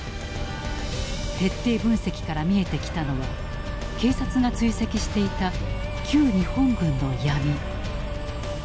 徹底分析から見えてきたのは警察が追跡していた旧日本軍の闇。